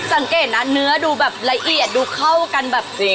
สังเกตนะเนื้อดูแบบละเอียดดูเข้ากันแบบ